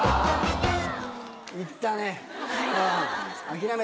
行ったね。